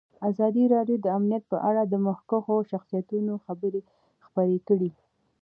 ازادي راډیو د امنیت په اړه د مخکښو شخصیتونو خبرې خپرې کړي.